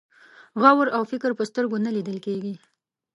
غور او فکر په سترګو نه لیدل کېږي.